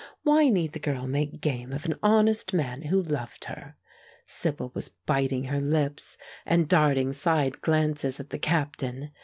Why need the girl make game of an honest man who loved her? Sibyl was biting her lips and darting side glances at the captain.